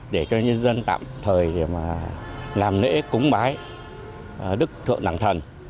để cho nhân dân tạm thời làm lễ cúng bái đức thượng đẳng thần